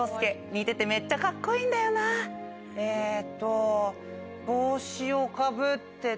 えっと。